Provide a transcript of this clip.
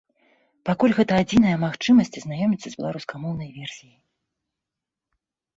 Пакуль гэта адзіная магчымасць азнаёміцца з беларускамоўнай версіяй.